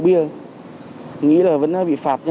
vẫn một trăm linh luôn